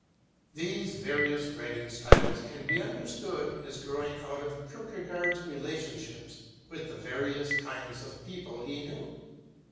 These various writing styles can be understood as growing out of Kierkegaard's relationships with the various kinds of people he knew.